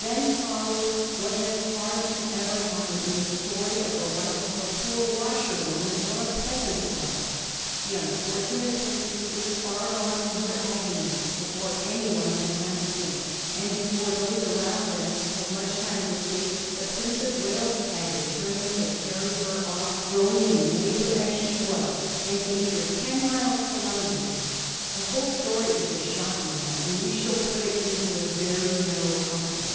Then followed what has hardly ever happened in the story of the life of a poor washer woman or a peasant's wife. The unfortunate princess was far gone in her agony before any one had time to think; and before those around them had much time to think the Prince of Wales had determined to carry her off, groan ing in labor as she was, and take her ten miles to London, The whole story is a shocking one ; and we shall put it into a very narrow compass.